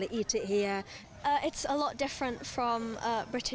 ini sangat berbeda dengan makanan brita